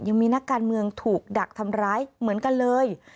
ยังมีนักการเมืองถูกดักทำร้ายเหมือนกันเลย